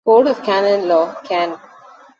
"Code of Canon Law", can.